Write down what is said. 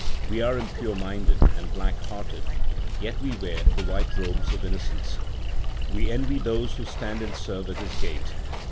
We are impure minded and black hearted, yet we wear the white robes of innocence. 2 We envy those who stand and serve at His gate.